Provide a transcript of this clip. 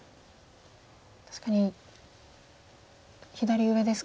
確かに左上ですか。